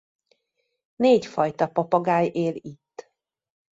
Négy fajta papagáj él itt.